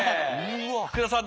福田さん